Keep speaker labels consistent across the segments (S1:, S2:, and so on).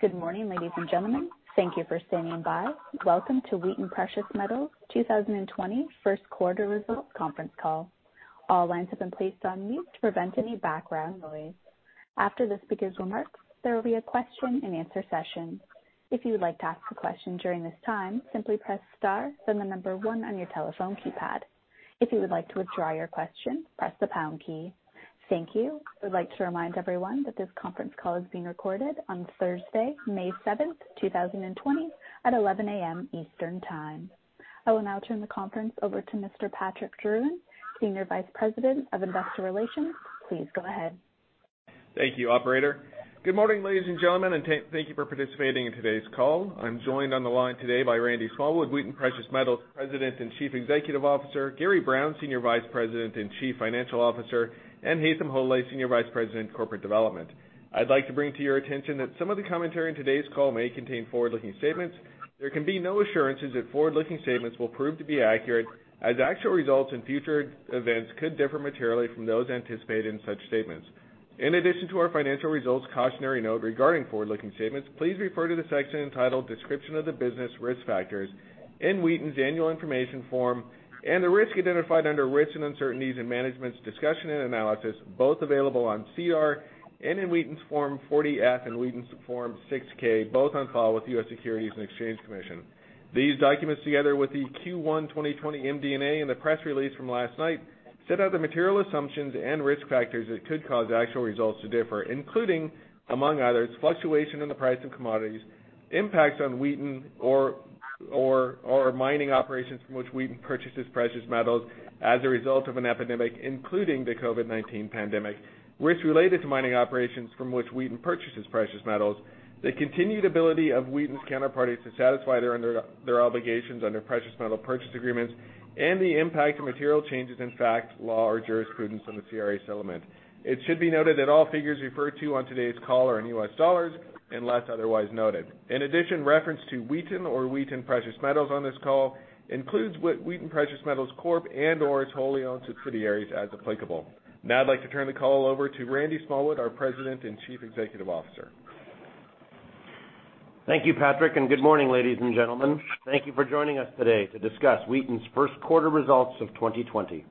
S1: Good morning, ladies and gentlemen. Thank you for standing by. Welcome to Wheaton Precious Metals' 2020 First Quarter Results Conference Call. All lines have been placed on mute to prevent any background noise. After the speaker's remarks, there will be a question and answer session. If you would like to ask a question during this time, simply press star then the number one on your telephone keypad. If you would like to withdraw your question, press the pound key. Thank you. I would like to remind everyone that this conference call is being recorded on Thursday, May 7th, 2020, at 11:00 A.M. Eastern Time. I will now turn the conference over to Mr. Patrick Drouin, Senior Vice President of Investor Relations. Please go ahead.
S2: Thank you, operator. Good morning, ladies and gentlemen, Thank you for participating in today's call. I'm joined on the line today by Randy Smallwood, Wheaton Precious Metals President and Chief Executive Officer, Gary Brown, Senior Vice President and Chief Financial Officer, and Haytham Hodaly, Senior Vice President, Corporate Development. I'd like to bring to your attention that some of the commentary in today's call may contain forward-looking statements. There can be no assurances that forward-looking statements will prove to be accurate, as actual results in future events could differ materially from those anticipated in such statements. In addition to our financial results cautionary note regarding forward-looking statements, please refer to the section entitled Description of the Business Risk Factors in Wheaton's Annual Information Form and the risk identified under Risks and Uncertainties in Management's Discussion and Analysis, both available on SEDAR and in Wheaton's Form 40-F and Wheaton's Form 6-K, both on file with the U.S. Securities and Exchange Commission. These documents, together with the Q1 2020 MD&A and the press release from last night, set out the material assumptions and risk factors that could cause actual results to differ, including, among others, fluctuation in the price of commodities, impacts on Wheaton or mining operations from which Wheaton purchases precious metals as a result of an epidemic, including the COVID-19 pandemic, risks related to mining operations from which Wheaton purchases precious metals, the continued ability of Wheaton's counterparties to satisfy their obligations under precious metal purchase agreements, and the impact of material changes in fact, law, or jurisprudence on the CRA settlement. It should be noted that all figures referred to on today's call are in U.S. dollars unless otherwise noted. In addition, reference to Wheaton or Wheaton Precious Metals on this call includes Wheaton Precious Metals Corp. and/or its wholly owned subsidiaries as applicable. Now I'd like to turn the call over to Randy Smallwood, our President and Chief Executive Officer.
S3: Thank you, Patrick. Good morning, ladies and gentlemen. Thank you for joining us today to discuss Wheaton's first quarter results of 2020.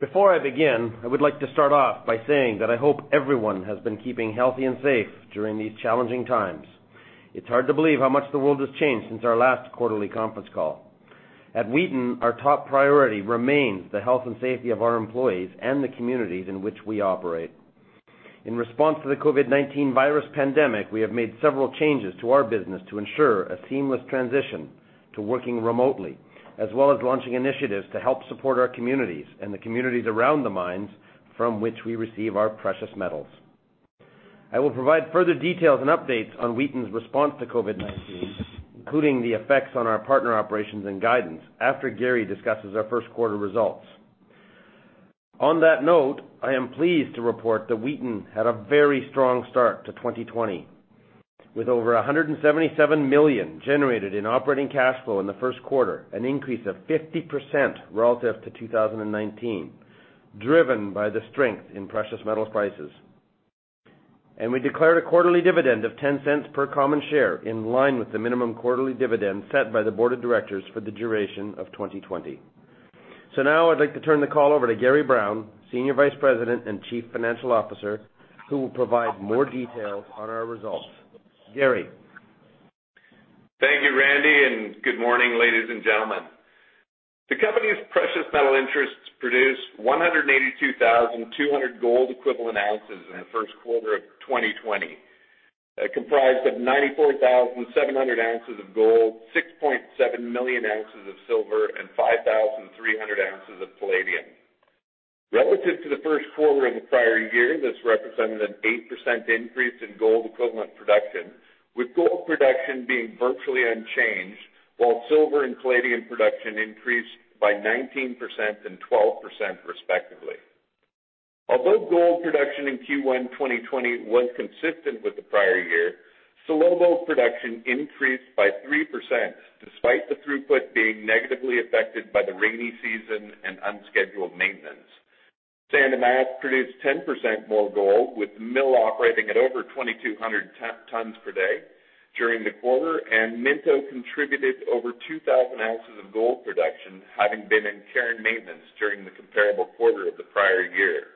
S3: Before I begin, I would like to start off by saying that I hope everyone has been keeping healthy and safe during these challenging times. It's hard to believe how much the world has changed since our last quarterly conference call. At Wheaton, our top priority remains the health and safety of our employees and the communities in which we operate. In response to the COVID-19 virus pandemic, we have made several changes to our business to ensure a seamless transition to working remotely, as well as launching initiatives to help support our communities and the communities around the mines from which we receive our precious metals. I will provide further details and updates on Wheaton's response to COVID-19, including the effects on our partner operations and guidance, after Gary discusses our first quarter results. I am pleased to report that Wheaton had a very strong start to 2020, with over $177 million generated in operating cash flow in the first quarter, an increase of 50%, relative to 2019, driven by the strength in precious metal prices. We declared a quarterly dividend of $0.10 per common share, in line with the minimum quarterly dividend set by the board of directors for the duration of 2020. I'd like to turn the call over to Gary Brown, Senior Vice President and Chief Financial Officer, who will provide more details on our results. Gary?
S4: Thank you, Randy. Good morning, ladies and gentlemen. The company's precious metal interests produced 182,200 gold equivalent ounces in the first quarter of 2020, comprised of 94,700 ounces of gold, 6.7 million ounces of silver, and 5,300 ounces of palladium. Relative to the first quarter in the prior year, this represented an 8%, increase in gold equivalent production, with gold production being virtually unchanged, while silver and palladium production increased by 19% and 12%, respectively. Although gold production in Q1 2020 was consistent with the prior year, Salobo production increased by 3%, despite the throughput being negatively affected by the rainy season and unscheduled maintenance. San Dimas produced 10%, more gold, with the mill operating at over 2,200 tons per day during the quarter, and Minto contributed over 2,000 ounces of gold production, having been in care and maintenance during the comparable quarter of the prior year.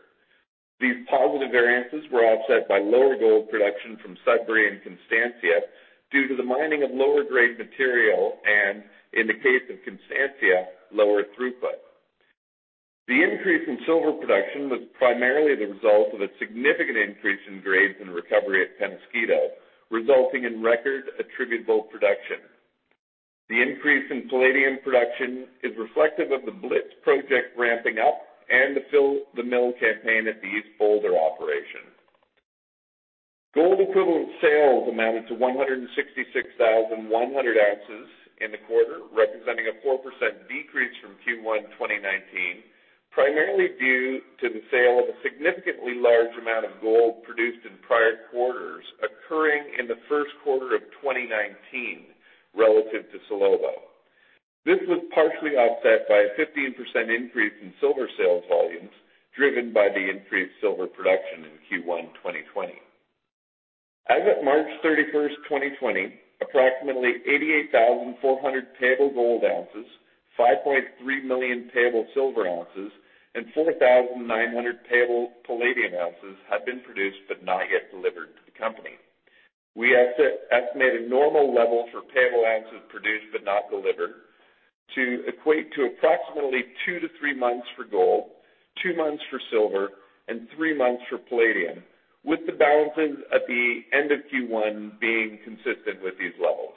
S4: These positive variances were offset by lower gold production from Sudbury and Constancia due to the mining of lower grade material, and in the case of Constancia, lower throughput. The increase in silver production was primarily the result of a significant increase in grades and recovery at Penasquito, resulting in record attributable production. The increase in palladium production is reflective of the Blitz project ramping up and the fill-the-mill campaign at the East Boulder operation. Gold equivalent sales amounted to 166,100 ounces in the quarter, representing a 4%, decrease from Q1 2019, primarily due to the sale of a significantly large amount of gold produced in prior quarters occurring in the first quarter of 2019 relative to Salobo. This was partially offset by a 15%, increase in silver sales volumes, driven by the increased silver production in Q1 2020. As of March 31st, 2020, approximately 88,400 payable gold ounces, 5.3 million payable silver ounces, and 4,900 payable palladium ounces had been produced but not yet delivered to the company. We estimate a normal level for payable ounces produced but not delivered to equate to approximately two to three months for gold, two months for silver, and three months for palladium, with the balances at the end of Q1 being consistent with these levels.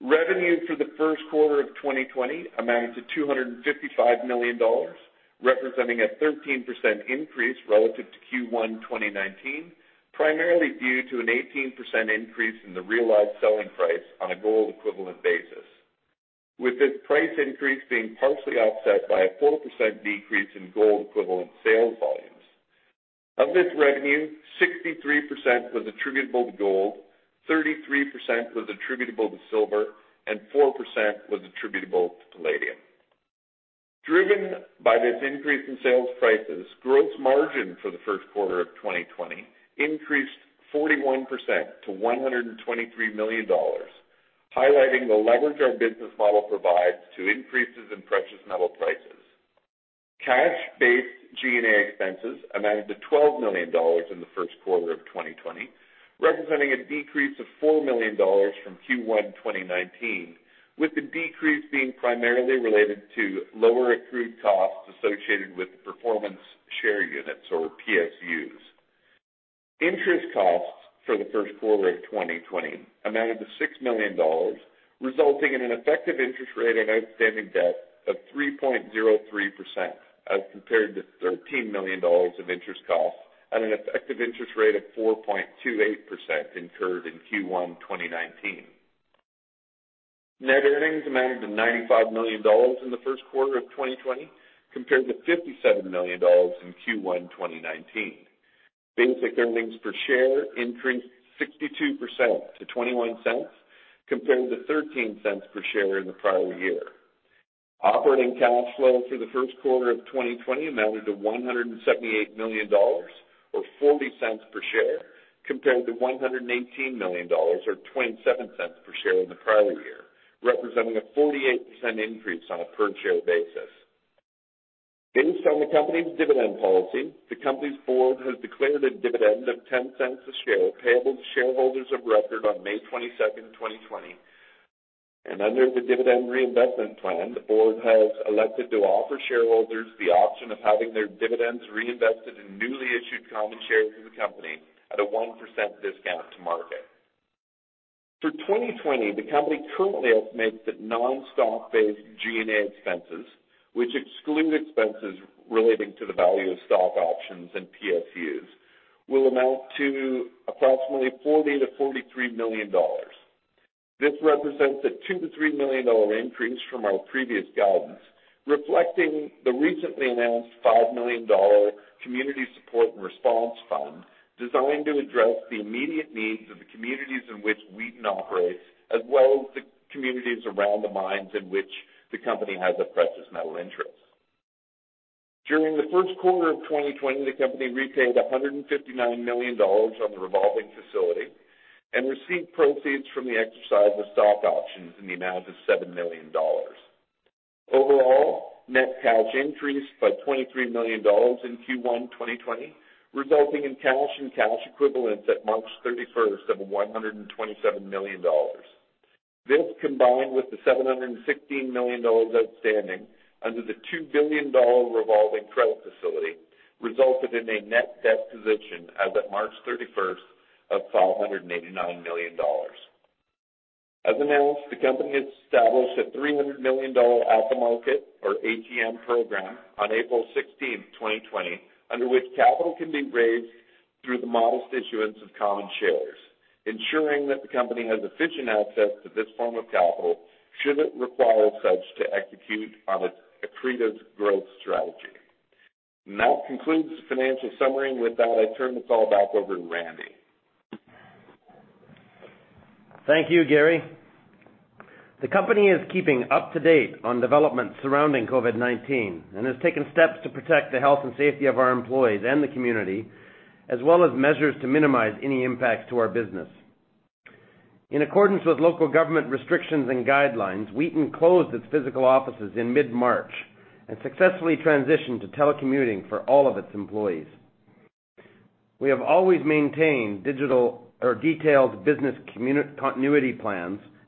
S4: Revenue for the first quarter of 2020 amounted to $255 million, representing a 13%, increase relative to Q1 2019, primarily due to an 18%, increase in the realized selling price on a gold equivalent basis, with this price increase being partially offset by a 4%, decrease in gold equivalent sales volumes. Of this revenue, 63%, was attributable to gold, 33%, was attributable to silver, and 4%, was attributable to palladium. Driven by this increase in sales prices, gross margin for the first quarter of 2020 increased 41%, to $123 million, highlighting the leverage our business model provides to increases in precious metal prices. Cash-based G&A expenses amounted to $12 million in the first quarter of 2020, representing a decrease of $4 million from Q1 2019, with the decrease being primarily related to lower accrued costs associated with performance share units, or PSUs. Interest costs for the first quarter of 2020 amounted to $6 million, resulting in an effective interest rate on outstanding debt of 3.03%, as compared to $13 million in interest costs at an effective interest rate of 4.28%, incurred in Q1 2019. Net earnings amounted to $95 million in the first quarter of 2020, compared to $57 million in Q1 2019. Basic earnings per share increased 62%, to $0.21, compared to $0.13 per share in the prior year. Operating cash flow through the first quarter of 2020 amounted to $178 million, or $0.40 per share, compared to $118 million or $0.27 per share in the prior year, representing a 48%, increase on a per-share basis. Based on the company's dividend policy, the company's board has declared a dividend of $0.10 a share payable to shareholders of record on May 22nd, 2020. Under the dividend reinvestment plan, the board has elected to offer shareholders the option of having their dividends reinvested in newly issued common shares of the company at a 1%, discount to market. For 2020, the company currently estimates that non-stock-based G&A expenses, which exclude expenses relating to the value of stock options and PSUs, will amount to approximately $40 million-$43 million. This represents a $2 million-$3 million increase from our previous guidance, reflecting the recently announced $5 million Community Support and Response Fund, designed to address the immediate needs of the communities in which Wheaton operates, as well as the communities around the mines in which the company has a precious metal interest. During the first quarter of 2020, the company repaid $159 million on the revolving facility and received proceeds from the exercise of stock options in the amount of $7 million. Overall, net cash increased by $23 million in Q1 2020, resulting in cash and cash equivalents at March 31st of $127 million. This, combined with the $716 million outstanding under the $2 billion revolving credit facility, resulted in a net debt position as of March 31st of $589 million. As announced, the company has established a $300 million at-the-market, or ATM program, on April 16th, 2020, under which capital can be raised through the modest issuance of common shares, ensuring that the company has efficient access to this form of capital should it require such to execute on its accretive growth strategy. That concludes the financial summary, and with that, I turn the call back over to Randy.
S3: Thank you, Gary. The company is keeping up to date on developments surrounding COVID-19 and has taken steps to protect the health and safety of our employees and the community, as well as measures to minimize any impact to our business. In accordance with local government restrictions and guidelines, Wheaton closed its physical offices in mid-March and successfully transitioned to telecommuting for all of its employees.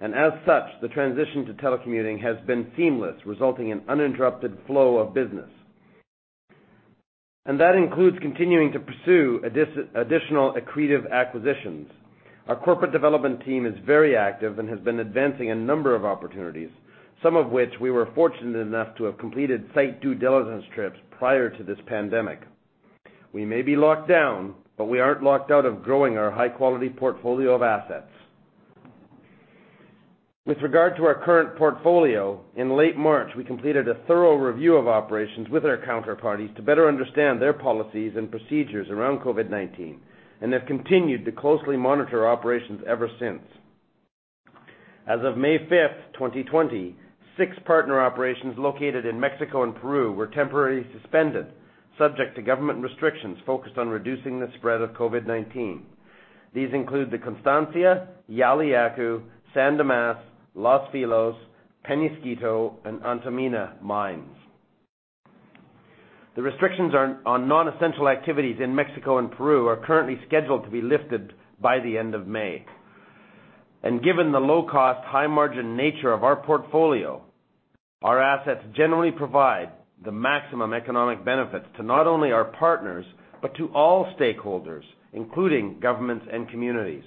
S3: As such, the transition to telecommuting has been seamless, resulting in uninterrupted flow of business. That includes continuing to pursue additional accretive acquisitions. Our corporate development team is very active and has been advancing a number of opportunities, some of which we were fortunate enough to have completed site due diligence trips prior to this pandemic. We may be locked down, we aren't locked out of growing our high-quality portfolio of assets. With regard to our current portfolio, in late March, we completed a thorough review of operations with our counterparties to better understand their policies and procedures around COVID-19 and have continued to closely monitor operations ever since. As of May 5th, 2020, six partner operations located in Mexico and Peru were temporarily suspended subject to government restrictions focused on reducing the spread of COVID-19. These include the Constancia, Yauliyacu, San Dimas, Los Filos, Penasquito, and Antamina mines. The restrictions on non-essential activities in Mexico and Peru are currently scheduled to be lifted by the end of May. Given the low-cost, high-margin nature of our portfolio, our assets generally provide the maximum economic benefits to not only our partners but to all stakeholders, including governments and communities.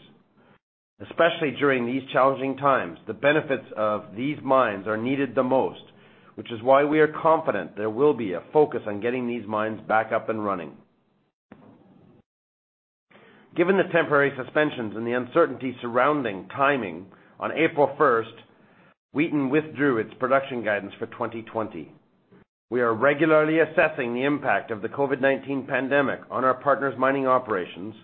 S3: Especially during these challenging times, the benefits of these mines are needed the most, which is why we are confident there will be a focus on getting these mines back up and running. Given the temporary suspensions and the uncertainty surrounding timing, on April 1st, Wheaton withdrew its production guidance for 2020. We are regularly assessing the impact of the COVID-19 pandemic on our partners' mining operations,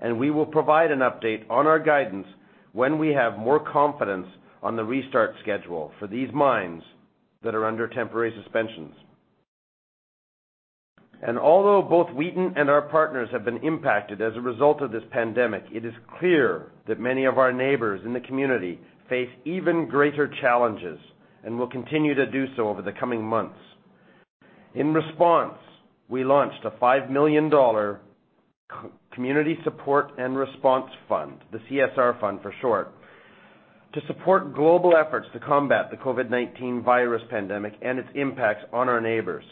S3: and we will provide an update on our guidance when we have more confidence on the restart schedule for these mines that are under temporary suspensions. Although both Wheaton and our partners have been impacted as a result of this pandemic, it is clear that many of our neighbors in the community face even greater challenges and will continue to do so over the coming months. In response, we launched a $5 million Community Support and Response Fund, the CSR Fund for short, to support global efforts to combat the COVID-19 virus pandemic and its impacts on our neighbors.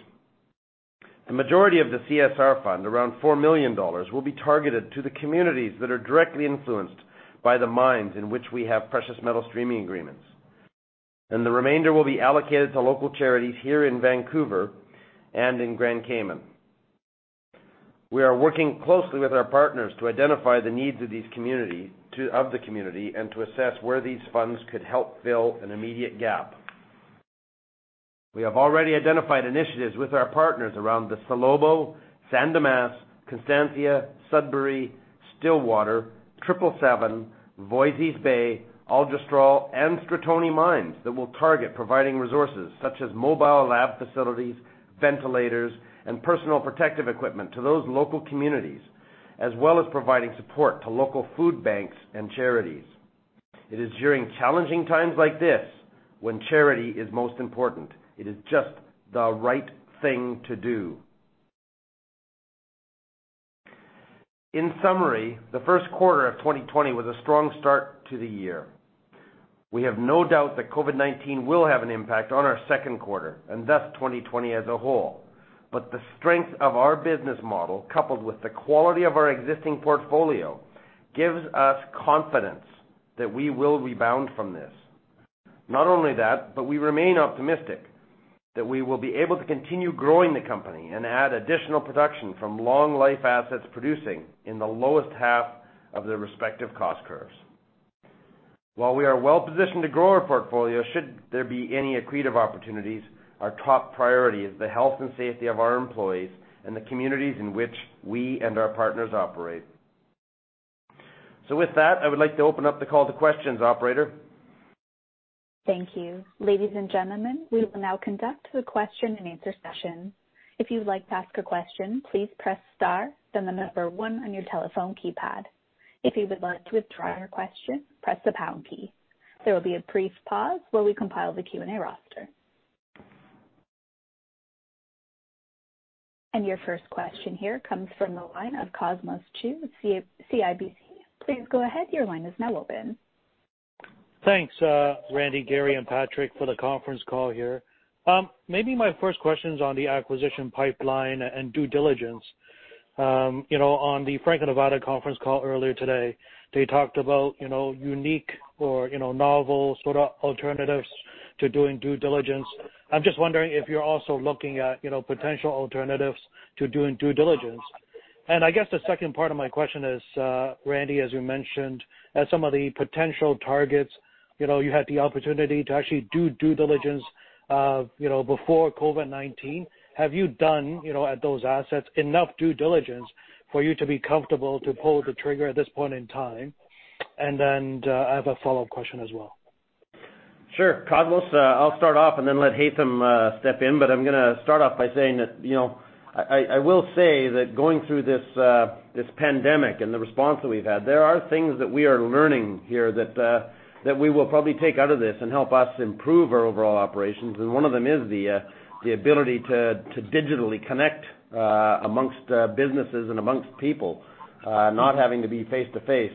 S3: The majority of the CSR Fund, around $4 million, will be targeted to the communities that are directly influenced by the mines in which we have precious metal streaming agreements. The remainder will be allocated to local charities here in Vancouver and in Grand Cayman. We are working closely with our partners to identify the needs of the community and to assess where these funds could help fill an immediate gap. We have already identified initiatives with our partners around the Salobo, San Dimas, Constancia, Sudbury, Stillwater, 777, Voisey's Bay, Algodones, and Stratoni mines that will target providing resources such as mobile lab facilities, ventilators, and personal protective equipment to those local communities, as well as providing support to local food banks and charities. It is during challenging times like this when charity is most important. It is just the right thing to do. In summary, the first quarter of 2020 was a strong start to the year. We have no doubt that COVID-19 will have an impact on our second quarter and thus 2020 as a whole. The strength of our business model, coupled with the quality of our existing portfolio, gives us confidence that we will rebound from this. Not only that, but we remain optimistic that we will be able to continue growing the company and add additional production from long life assets producing in the lowest half of their respective cost curves. While we are well positioned to grow our portfolio should there be any accretive opportunities, our top priority is the health and safety of our employees and the communities in which we and our partners operate. With that, I would like to open up the call to questions, operator.
S1: Thank you. Ladies and gentlemen, we will now conduct the question and answer session. If you'd like to ask a question, please press star, then the number one on your telephone keypad. If you would like to withdraw your question, press the pound key. There will be a brief pause while we compile the Q&A roster. Your first question here comes from the line of Cosmos Chiu, CIBC. Please go ahead. Your line is now open.
S5: Thanks, Randy, Gary, and Patrick for the conference call here. Maybe my first question is on the acquisition pipeline and due diligence. On the Franco-Nevada conference call earlier today, they talked about unique or novel sort of alternatives to doing due diligence. I'm just wondering if you're also looking at potential alternatives to doing due diligence. I guess the second part of my question is, Randy, as you mentioned, as some of the potential targets you had the opportunity to actually do due diligence before COVID-19. Have you done, at those assets, enough due diligence for you to be comfortable to pull the trigger at this point in time? I have a follow-up question as well.
S3: Sure. Cosmos, I'll start off and then let Haytham step in, but I'm going to start off by saying that I will say that going through this pandemic and the response that we've had, there are things that we are learning here that we will probably take out of this and help us improve our overall operations. One of them is the ability to digitally connect amongst businesses and amongst people, not having to be face to face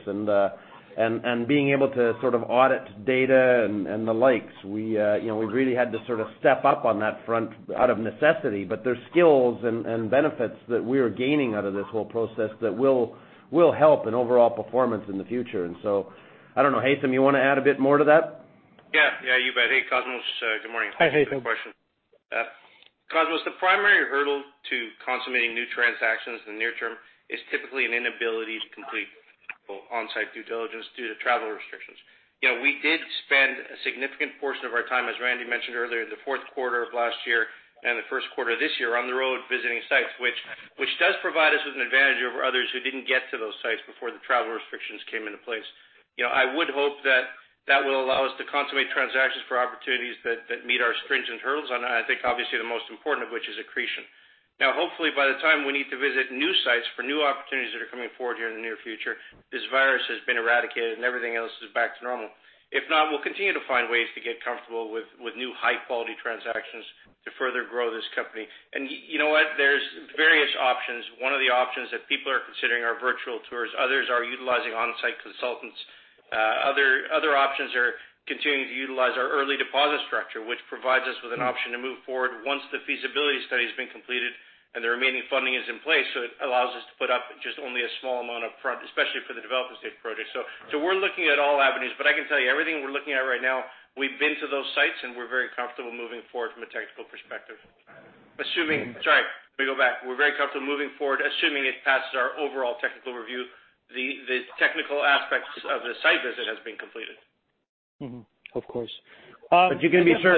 S3: and being able to sort of audit data and the likes. We really had to sort of step up on that front out of necessity, but there's skills and benefits that we are gaining out of this whole process that will help in overall performance in the future. I don't know, Haytham, you want to add a bit more to that?
S6: Yeah, you bet. Hey, Cosmos, good morning.
S5: Hi, Haytham.
S6: Good question. Cosmos, the primary hurdle to consummating new transactions in the near term is typically an inability to complete on-site due diligence due to travel restrictions. We did spend a significant portion of our time, as Randy mentioned earlier, in the fourth quarter of last year and the first quarter of this year on the road visiting sites, which does provide us with an advantage over others who didn't get to those sites before the travel restrictions came into place. I would hope that will allow us to consummate transactions for opportunities that meet our stringent hurdles. I think obviously the most important of which is accretion. Hopefully by the time we need to visit new sites for new opportunities that are coming forward here in the near future, this virus has been eradicated, and everything else is back to normal. If not, we'll continue to find ways to get comfortable with new high-quality transactions to further grow this company. You know what. There's various options. One of the options that people are considering are virtual tours. Others are utilizing on-site consultants. Other options are continuing to utilize our early deposit structure, which provides us with an option to move forward once the feasibility study's been completed and the remaining funding is in place. It allows us to put up just only a small amount up front, especially for the development stage projects. We're looking at all avenues. I can tell you, everything we're looking at right now, we've been to those sites, and we're very comfortable moving forward from a technical perspective. Sorry, let me go back. We're very comfortable moving forward, assuming it passes our overall technical review. The technical aspects of the site visit has been completed.
S5: Mm-hmm. Of course.
S3: Cosmos, you can be sure,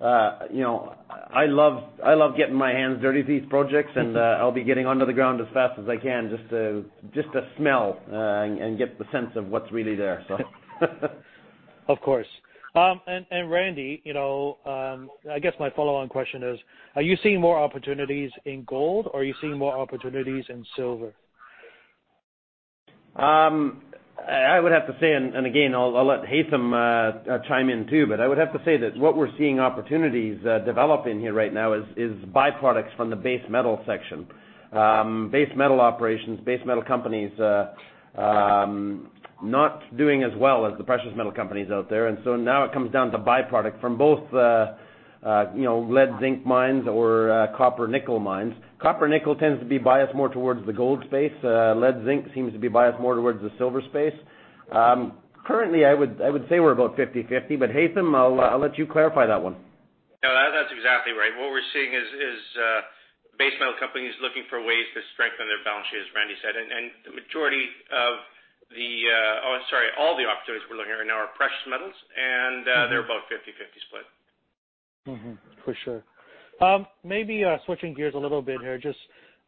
S3: I love getting my hands dirty for these projects, and I'll be getting onto the ground as fast as I can just to smell and get the sense of what's really there.
S5: Of course. Randy, I guess my follow-on question is, are you seeing more opportunities in gold, or are you seeing more opportunities in silver?
S3: I would have to say, and again, I'll let Haytham chime in too, but I would have to say that what we're seeing opportunities develop in here right now is byproducts from the base metal section. Base metal operations, base metal companies, not doing as well as the precious metal companies out there. Now it comes down to byproduct from both lead zinc mines or copper nickel mines. Copper nickel tends to be biased more towards the gold space. Lead zinc seems to be biased more towards the silver space. Currently, I would say we're about 50/50, but Haytham, I'll let you clarify that one.
S6: No, that's exactly right. What we're seeing is base metal companies looking for ways to strengthen their balance sheet, as Randy said. All the opportunities we're looking at right now are precious metals, and they're about 50/50 split.
S5: Mm-hmm. For sure. Maybe switching gears a little bit here.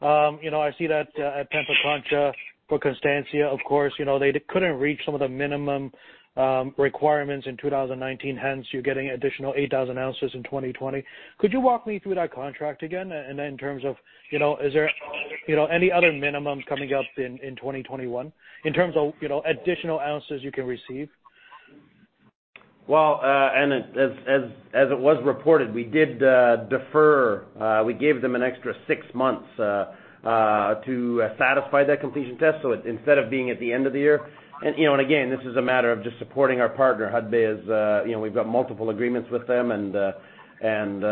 S5: I see that at Pampacancha, for Constancia, of course, they couldn't reach some of the minimum requirements in 2019, hence you're getting additional 8,000 ounces in 2020. Could you walk me through that contract again, in terms of, is there any other minimums coming up in 2021, in terms of additional ounces you can receive?
S3: As it was reported, we did defer. We gave them an extra six months to satisfy that completion test. Instead of being at the end of the year, and again, this is a matter of just supporting our partner, Hudbay. We've got multiple agreements with them, and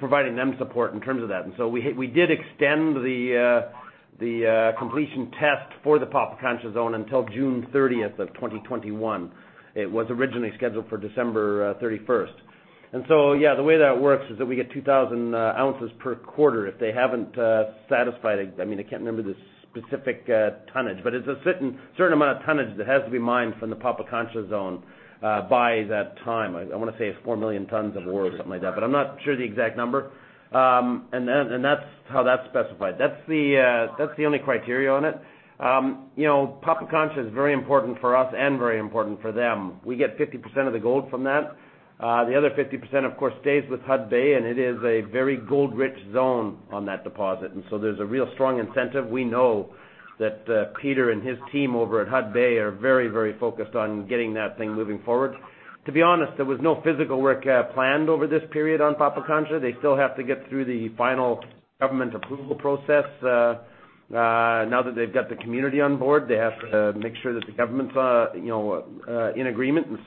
S3: providing them support in terms of that. We did extend the completion test for the Pampacancha zone until June 30, 2021. It was originally scheduled for December 31. The way that works is that we get 2,000 ounces per quarter. If they haven't satisfied, I can't remember the specific tonnage, but it's a certain amount of tonnage that has to be mined from the Pampacancha zone by that time. I want to say it's 4 million tons of ore or something like that, but I'm not sure the exact number. That's how that's specified. That's the only criteria on it. Pampacancha is very important for us and very important for them. We get 50%, of the gold from that. The other 50%, of course, stays with Hudbay. It is a very gold-rich zone on that deposit. There's a real strong incentive. We know that Peter and his team over at Hudbay are very focused on getting that thing moving forward. To be honest, there was no physical work planned over this period on Pampacancha. They still have to get through the final government approval process. Now that they've got the community on board, they have to make sure that the government's in agreement. It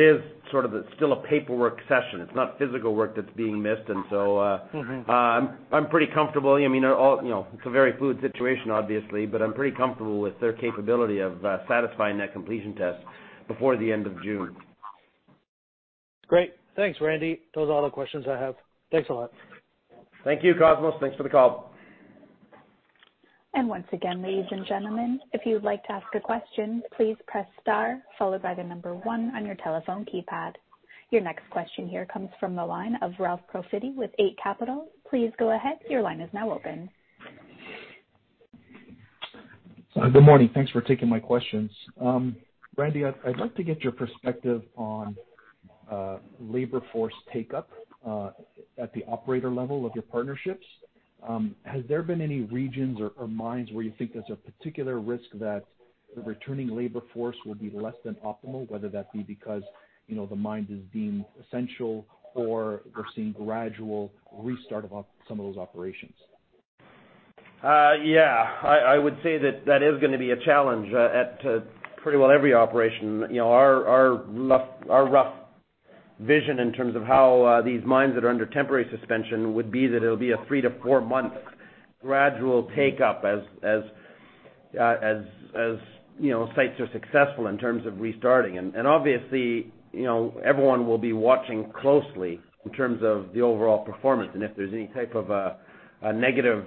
S3: is sort of still a paperwork session. It's not physical work that's being missed. I'm pretty comfortable. It's a very fluid situation, obviously, but I'm pretty comfortable with their capability of satisfying that completion test before the end of June.
S5: Great. Thanks, Randy. Those are all the questions I have. Thanks a lot.
S3: Thank you, Cosmos. Thanks for the call.
S1: Once again, ladies and gentlemen, if you would like to ask a question, please press star followed by the number one on your telephone keypad. Your next question here comes from the line of Ralph Profiti with Eight Capital. Please go ahead. Your line is now open.
S7: Good morning. Thanks for taking my questions. Randy, I'd like to get your perspective on labor force take up at the operator level of your partnerships. Has there been any regions or mines where you think there's a particular risk that the returning labor force will be less than optimal, whether that be because the mine is deemed essential or we're seeing gradual restart of some of those operations?
S3: Yeah. I would say that that is going to be a challenge at pretty well every operation. Our rough vision in terms of how these mines that are under temporary suspension would be that it'll be a 3 to 4 month gradual take up as sites are successful in terms of restarting, and obviously, everyone will be watching closely in terms of the overall performance and if there's any type of a negative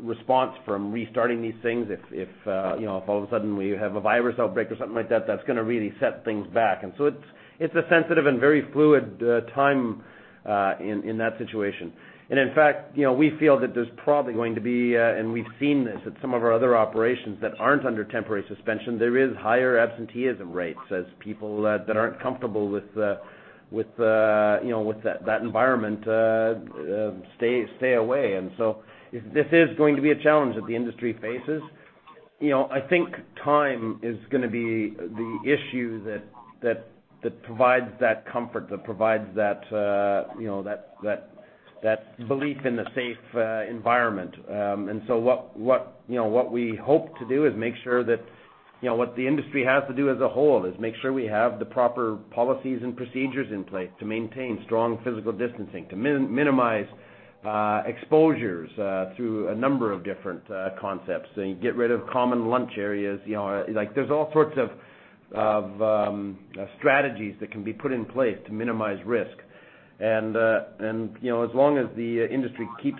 S3: response from restarting these things, if all of a sudden we have a virus outbreak or something like that's going to really set things back. It's a sensitive and very fluid time in that situation. In fact, we feel that there's probably going to be, and we've seen this at some of our other operations that aren't under temporary suspension, there is higher absenteeism rates as people that aren't comfortable with that environment stay away. This is going to be a challenge that the industry faces. I think time is going to be the issue that provides that comfort, that provides that belief in the safe environment. What we hope to do is make sure that what the industry has to do as a whole is make sure we have the proper policies and procedures in place to maintain strong physical distancing, to minimize exposures through a number of different concepts, get rid of common lunch areas. There's all sorts of strategies that can be put in place to minimize risk. As long as the industry keeps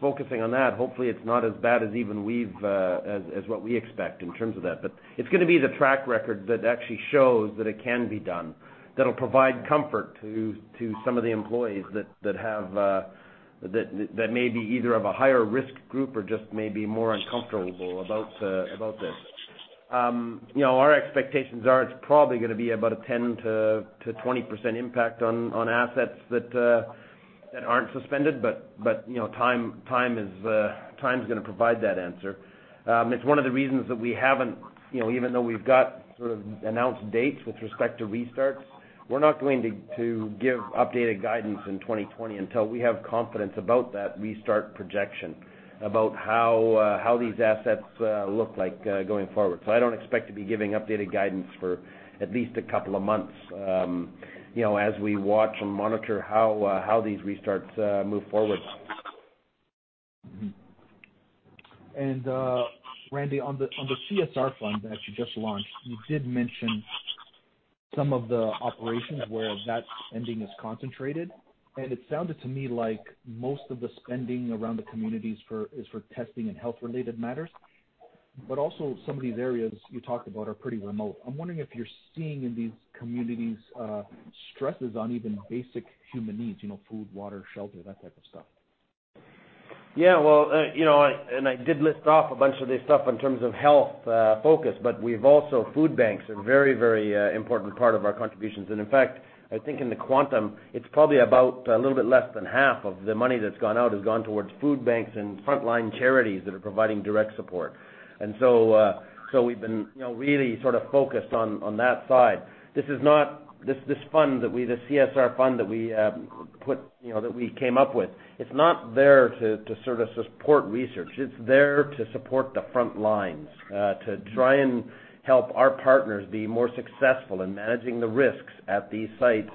S3: focusing on that, hopefully it's not as bad as what we expect in terms of that. It's going to be the track record that actually shows that it can be done, that'll provide comfort to some of the employees that may be either of a higher risk group or just may be more uncomfortable about this. Our expectations are it's probably going to be about a 10%-20%, impact on assets that aren't suspended, but time's going to provide that answer. It's one of the reasons that we haven't, even though we've got sort of announced dates with respect to restarts, we're not going to give updated guidance in 2020 until we have confidence about that restart projection, about how these assets look like going forward. I don't expect to be giving updated guidance for at least a couple of months as we watch and monitor how these restarts move forward.
S7: Randy, on the CSR Fund that you just launched, you did mention some of the operations where that spending is concentrated, and it sounded to me like most of the spending around the communities is for testing and health-related matters. Also some of these areas you talked about are pretty remote. I'm wondering if you're seeing in these communities stresses on even basic human needs, food, water, shelter, that type of stuff.
S3: I did list off a bunch of this stuff in terms of health focus, but food banks are a very important part of our contributions. In fact, I think in the quantum, it's probably about a little bit less than half of the money that's gone out has gone towards food banks and frontline charities that are providing direct support. We've been really focused on that side. This CSR Fund that we came up with, it's not there to support research. It's there to support the front lines, to try and help our partners be more successful in managing the risks at these sites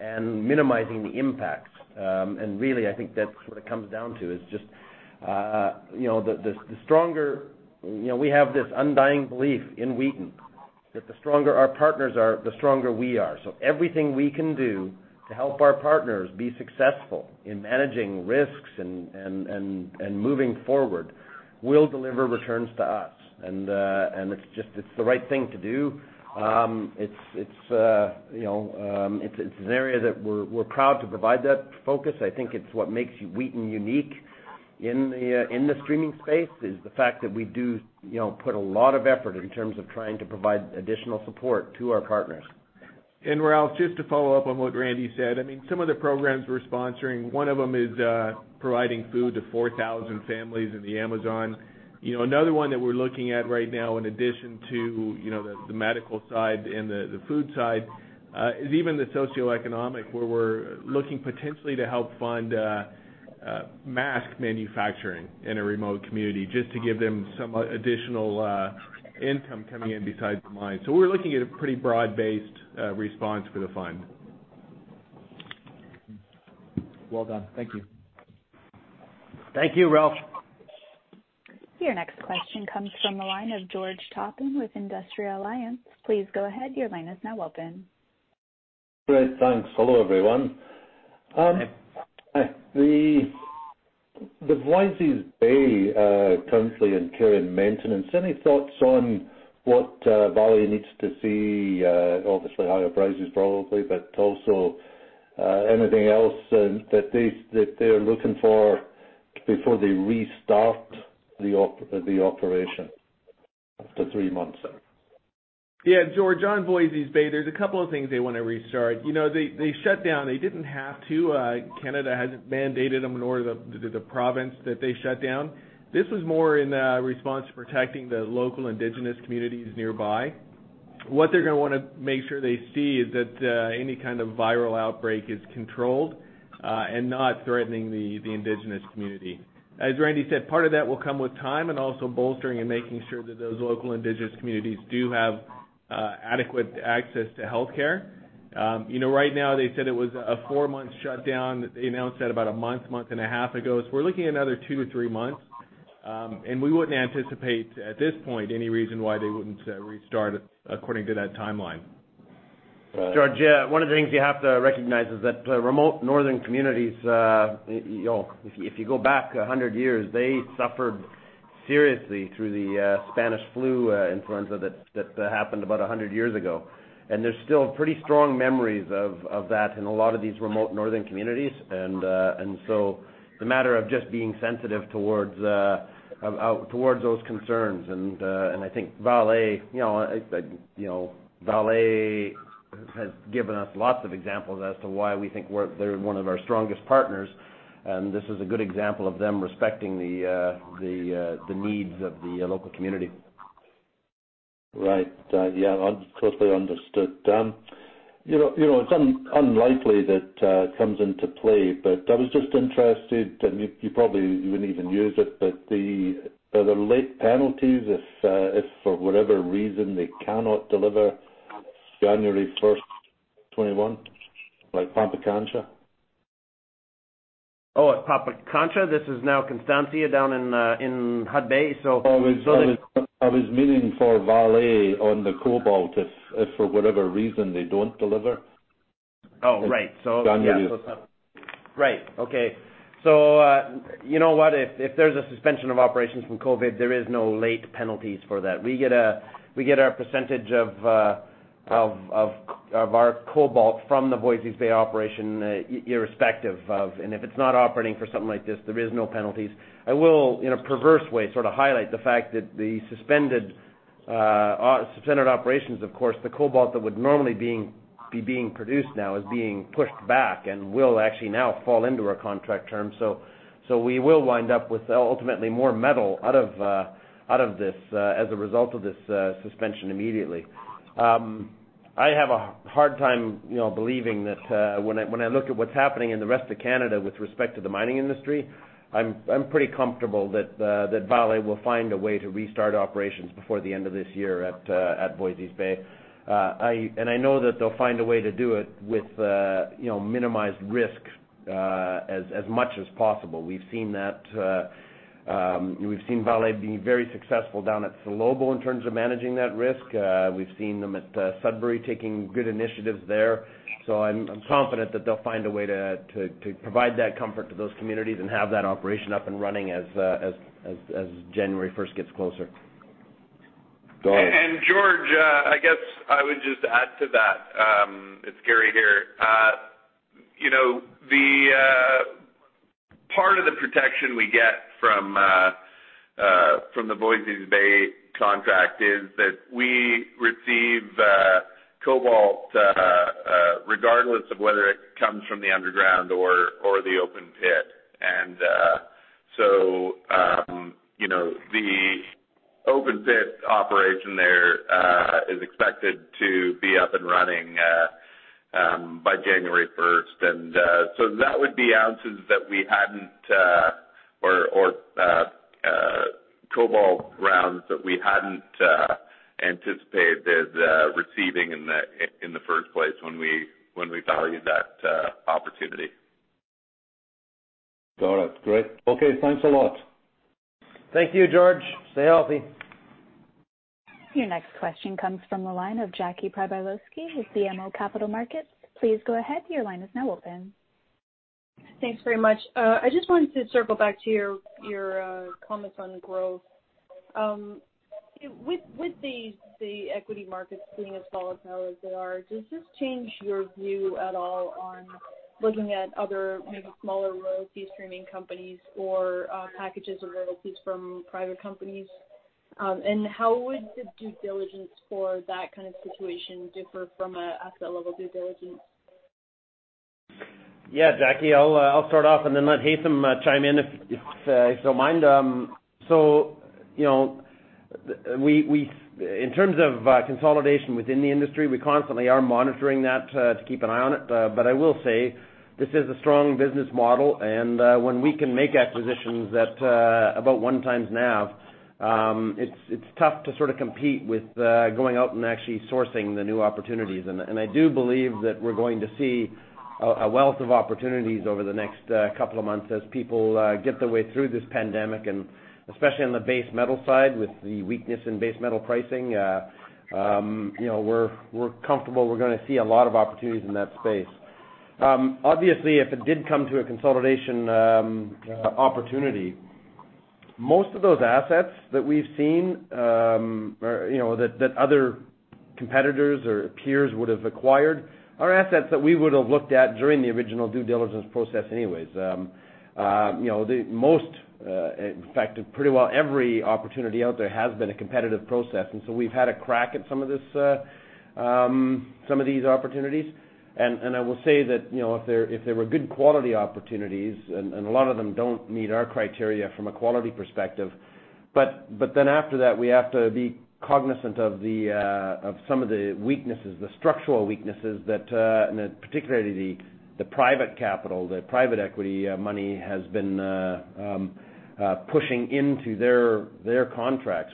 S3: and minimizing the impacts. Really, I think that's what it comes down to is just we have this undying belief in Wheaton, that the stronger our partners are, the stronger we are. Everything we can do to help our partners be successful in managing risks and moving forward will deliver returns to us. It's the right thing to do. It's an area that we're proud to provide that focus. I think it's what makes Wheaton unique in the streaming space, is the fact that we do put a lot of effort in terms of trying to provide additional support to our partners.
S2: Ralph, just to follow up on what Randy said, some of the programs we're sponsoring, one of them is providing food to 4,000 families in the Amazon. Another one that we're looking at right now in addition to the medical side and the food side, is even the socioeconomic, where we're looking potentially to help fund mask manufacturing in a remote community just to give them some additional income coming in besides the mine. We're looking at a pretty broad-based response for the fund.
S7: Well done. Thank you.
S3: Thank you, Ralph.
S1: Your next question comes from the line of George Topping with Industrial Alliance. Please go ahead, your line is now open.
S8: Great, thanks. Hello, everyone.
S3: Hi.
S8: The Voisey's Bay currently in care and maintenance. Any thoughts on what Vale needs to see? Obviously higher prices probably, but also anything else that they're looking for before they restart the operation after three months?
S2: Yeah. George, on Voisey's Bay, there's a couple of things they want to restart. They shut down. They didn't have to. Canada hasn't mandated them, nor the province that they shut down. This was more in response to protecting the local indigenous communities nearby. What they're going to want to make sure they see is that any kind of viral outbreak is controlled, and not threatening the indigenous community. As Randy said, part of that will come with time and also bolstering and making sure that those local indigenous communities do have adequate access to healthcare. Right now, they said it was a 4-month shutdown that they announced at about one and a half months ago. We're looking another 2-3 months. We wouldn't anticipate, at this point, any reason why they wouldn't restart according to that timeline.
S3: George, one of the things you have to recognize is that remote northern communities, if you go back 100 years, they suffered seriously through the Spanish flu influenza that happened about 100 years ago. There's still pretty strong memories of that in a lot of these remote northern communities. It's a matter of just being sensitive towards those concerns. I think Vale has given us lots of examples as to why we think they're one of our strongest partners, and this is a good example of them respecting the needs of the local community.
S8: Right. Yeah. Totally understood. It's unlikely that comes into play, but I was just interested, and you probably wouldn't even use it, but are there late penalties if, for whatever reason, they cannot deliver January 1st, 2021, like Pampacancha?
S3: Oh, at Pampacancha? This is now Constancia down in Hudbay.
S8: I was meaning for Vale on the cobalt, if for whatever reason they don't deliver.
S3: Oh, right.
S8: January the-
S3: Right. Okay. You know what, if there's a suspension of operations from COVID, there is no late penalties for that. We get our percentage of our cobalt from the Voisey's Bay operation irrespective of And if it's not operating for something like this, there is no penalties. I will, in a perverse way, highlight the fact that the suspended operations, of course, the cobalt that would normally be being produced now is being pushed back and will actually now fall into our contract terms. We will wind up with ultimately more metal out of this as a result of this suspension immediately. I have a hard time believing that when I look at what's happening in the rest of Canada with respect to the mining industry, I'm pretty comfortable that Vale will find a way to restart operations before the end of this year at Voisey's Bay. I know that they'll find a way to do it with minimized risk as much as possible. We've seen Vale being very successful down at Salobo in terms of managing that risk. We've seen them at Sudbury taking good initiatives there. I'm confident that they'll find a way to provide that comfort to those communities and have that operation up and running as January 1st gets closer.
S8: Go ahead.
S4: George Topping, I guess I would just add to that. It's Gary here. Part of the protection we get from the Voisey's Bay contract is that we receive cobalt regardless of whether it comes from the underground or the open pit. The open pit operation there is expected to be up and running by January 1st. That would be ounces that we hadn't, or cobalt rounds that we hadn't anticipated receiving in the first place when we valued that opportunity.
S8: Got it. Great. Okay, thanks a lot.
S3: Thank you, George. Stay healthy.
S1: Your next question comes from the line of Jackie Przybylowski with BMO Capital Markets. Please go ahead, your line is now open.
S9: Thanks very much. I just wanted to circle back to your comments on growth. With the equity markets being as volatile as they are, does this change your view at all on looking at other maybe smaller royalty streaming companies or packages of royalties from private companies? How would the due diligence for that kind of situation differ from an asset level due diligence?
S3: Yeah, Jackie, I'll start off and then let Haytham chime in if you don't mind. In terms of consolidation within the industry, we constantly are monitoring that to keep an eye on it. I will say this is a strong business model, and when we can make acquisitions at about one times NAV, it's tough to compete with going out and actually sourcing the new opportunities. I do believe that we're going to see a wealth of opportunities over the next couple of months as people get their way through this pandemic. Especially on the base metal side, with the weakness in base metal pricing, we're comfortable we're going to see a lot of opportunities in that space. Obviously, if it did come to a consolidation opportunity, most of those assets that we've seen that other competitors or peers would have acquired are assets that we would have looked at during the original due diligence process anyways. Most, in fact, pretty well every opportunity out there has been a competitive process. We've had a crack at some of these opportunities. I will say that if they were good quality opportunities, and a lot of them don't meet our criteria from a quality perspective. After that, we have to be cognizant of some of the structural weaknesses that, particularly the private capital, the private equity money has been pushing into their contracts,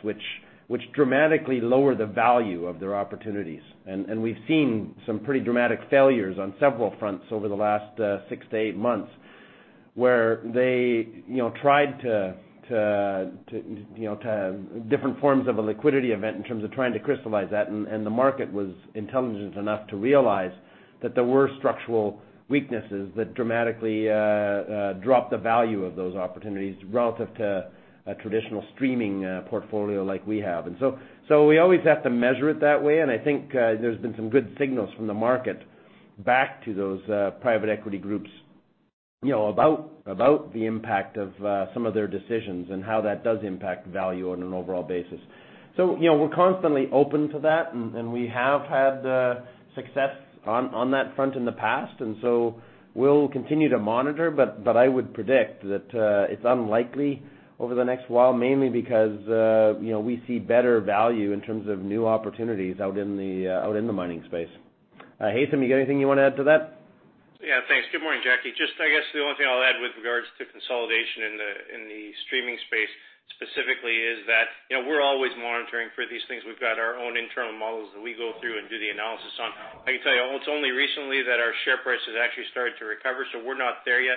S3: which dramatically lower the value of their opportunities. We've seen some pretty dramatic failures on several fronts over the last six to eight months, where they tried different forms of a liquidity event in terms of trying to crystallize that, and the market was intelligent enough to realize that there were structural weaknesses that dramatically dropped the value of those opportunities relative to a traditional streaming portfolio like we have. So we always have to measure it that way, and I think there's been some good signals from the market back to those private equity groups about the impact of some of their decisions and how that does impact value on an overall basis. We're constantly open to that, and we have had success on that front in the past, we'll continue to monitor, but I would predict that it's unlikely over the next while, mainly because we see better value in terms of new opportunities out in the mining space. Haytham, you got anything you want to add to that?
S6: Thanks. Good morning, Jackie. I guess the only thing I'll add with regards to consolidation in the streaming space specifically is that we're always monitoring for these things. We've got our own internal models that we go through and do the analysis on. I can tell you, it's only recently that our share price has actually started to recover, so we're not there yet.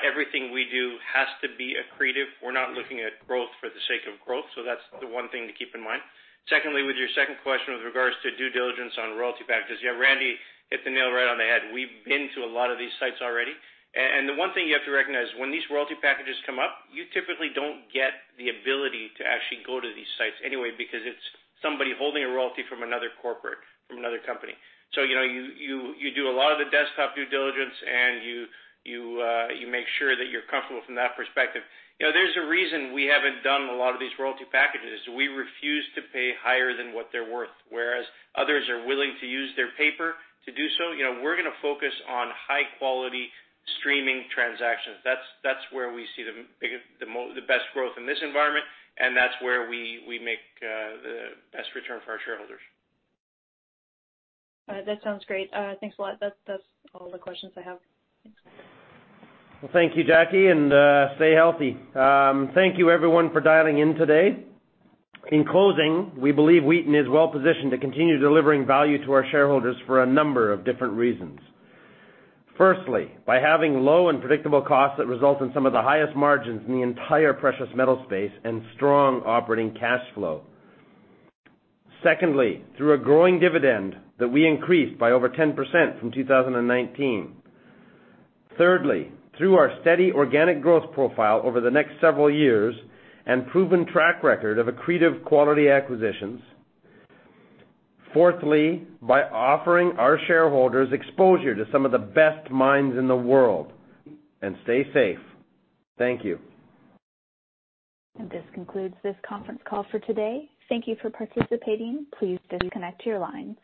S6: Everything we do has to be accretive. We're not looking at growth for the sake of growth. That's the one thing to keep in mind. Secondly, with your second question with regards to due diligence on royalty packages, Randy hit the nail right on the head. We've been to a lot of these sites already. The one thing you have to recognize, when these royalty packages come up, you typically don't get the ability to actually go to these sites anyway because it's somebody holding a royalty from another corporate, from another company. You do a lot of the desktop due diligence and you make sure that you're comfortable from that perspective. There's a reason we haven't done a lot of these royalty packages. We refuse to pay higher than what they're worth, whereas others are willing to use their paper to do so. We're going to focus on high quality streaming transactions. That's where we see the best growth in this environment, and that's where we make the best return for our shareholders.
S9: That sounds great. Thanks a lot. That's all the questions I have. Thanks, bye.
S3: Well, thank you, Jackie, and stay healthy. Thank you everyone for dialing in today. In closing, we believe Wheaton is well positioned to continue delivering value to our shareholders for a number of different reasons. Firstly, by having low and predictable costs that result in some of the highest margins in the entire precious metal space and strong operating cash flow. Secondly, through a growing dividend that we increased by over 10%, from 2019. Thirdly, through our steady organic growth profile over the next several years and proven track record of accretive quality acquisitions. Fourthly, by offering our shareholders exposure to some of the best mines in the world. Stay safe. Thank you.
S1: This concludes this conference call for today. Thank you for participating. Please disconnect your lines.